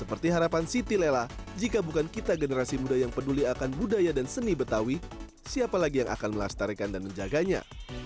seperti harapan siti lela jika bukan kita generasi muda yang peduli akan budaya dan seni betawi siapa lagi yang akan melestarikan dan menjaganya